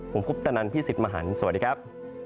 ผมคุปตะนันพี่สิทธิ์มหันฯสวัสดีครับ